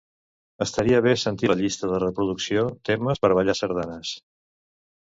Estaria bé sentir la llista de reproducció "temes per ballar sardanes".